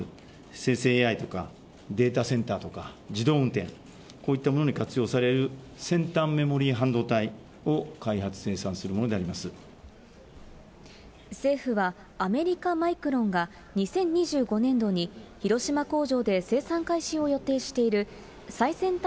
生成ＡＩとかデータセンターとか、自動運転、こういったものに活用される先端メモリー半導体を開発・生産する政府は、アメリカ・マイクロンが２０２５年度に広島工場で生産開始を予定している最先端